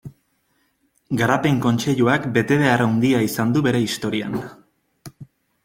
Garapen Kontseiluak betebehar handia izan du bere historian.